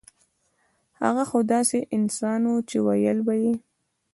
هغه خو داسې انسان وو چې وييل به يې